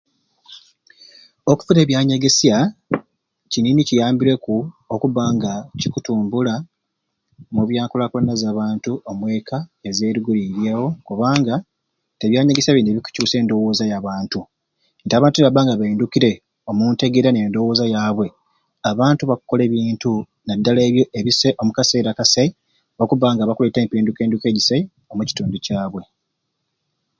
Okufuna ebyanyegesya, kini ni kiambireku okubba nga kikutumbula mu bya nkulakulana za bantu amweka ezeruguliryewo kubanga ebyanyegesya bini bikucuusa endowooza za bantu nti abantu nibabba nga baindukire omuntegeera amwe n'endowooza yabwe abantu bakkola ebintu naddala ebyo ebisai omukaseera akasai okubba nga bakuleeta empindukainduka egisai omukitundu kyabwe